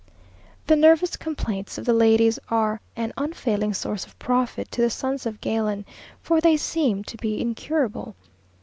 The nervous complaints of the ladies are an unfailing source of profit to the sons of Galen, for they seem to be incurable.